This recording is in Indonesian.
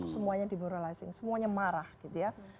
semuanya diburah lasing semuanya marah gitu ya